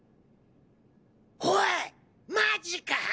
おいマジか！？